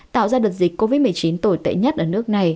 tạo ra đợt dịch covid một mươi chín tồi tệ nhất ở nước